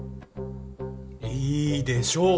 いいでしょう。